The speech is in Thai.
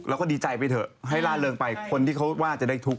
แล้วก็ดีใจไปเถอะให้ล่าเริงไปคนที่เขาว่าจะได้ทุกข